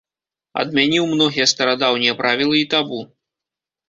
Адмяніў многія старадаўнія правілы і табу.